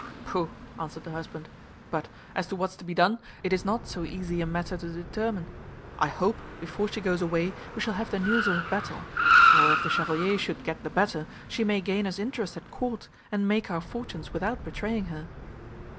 "Pooh!" answered the husband. "But, as to what's to be done, it is not so easy a matter to determine. I hope, before she goes away, we shall have the news of a battle; for, if the Chevalier should get the better, she may gain us interest at court, and make our fortunes without betraying her."